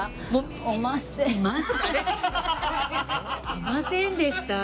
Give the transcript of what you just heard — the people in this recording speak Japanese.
いませんでした？